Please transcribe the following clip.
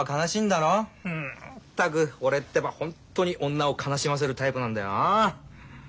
んったく俺ってばホンットに女を悲しませるタイプなんだよなあ。